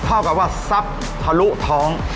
เท่ากับว่าซับทะลุท้อง